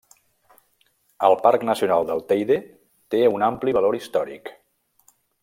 El Parc Nacional del Teide té un ampli valor històric.